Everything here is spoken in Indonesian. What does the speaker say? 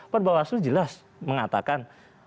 perbawaslu jelas mengatakan